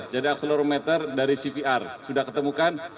jadi akselerometer dari cvr sudah ketemukan